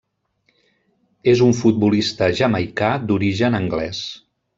És un futbolista jamaicà d'origen anglès.